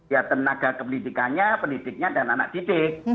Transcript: ya tenaga kependidikannya pendidiknya dan anak didik